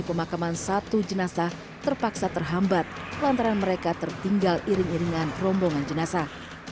pemakaman satu jenazah terpaksa terhambat lantaran mereka tertinggal iring iringan rombongan jenazah